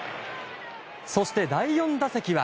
そして、第４打席は。